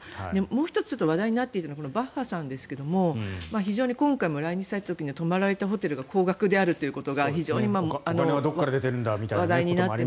もう１つ話題になっていたのがバッハさんですが非常に今回も来日された時には泊まられたホテルが高額であるということが非常に問題になって。